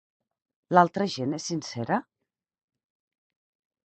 L'altra gent és sincera?